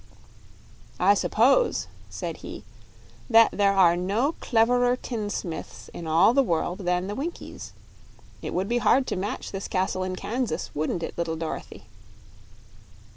"I suppose," said he, "that there are no cleverer tinsmiths in all the world than the Winkies. It would be hard to match this castle in Kansas; wouldn't it, little Dorothy?"